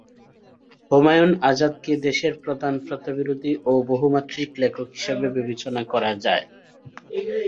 হুমায়ুন আজাদকে দেশের প্রধান প্রথাবিরোধী ও বহুমাত্রিক লেখক হিসেবে বিবেচনা করা যায়।